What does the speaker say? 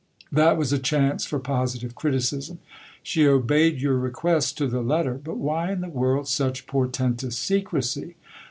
That was a chance for positive criticism. " She obeyed your request to the letter. But why in the world such portentous secrecy